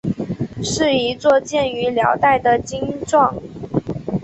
是一座建于辽代的经幢。